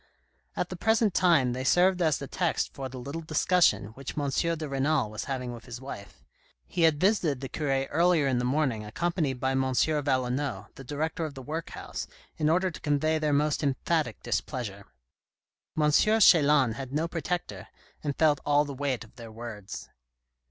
At the present time they served as the text for the little discussion which M. de Renal was having with his wife. He had visited the cure earlier in the morning accompanied by M Valenod, the director of the workhouse, in order to convey their most emphatic displeasure. M. Chelan had no protector, and felt all the weight of their words.